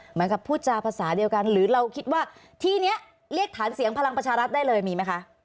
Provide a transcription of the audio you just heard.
เหมือนกับพูดจาภาษาเดียวกันหรือเราคิดว่าที่นี้เรียกฐานเสียงพลังประชารัฐได้เลยมีไหมคะ